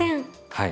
はい。